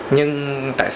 nhưng tại sao